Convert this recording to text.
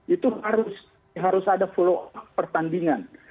itu harus ada follow up pertandingan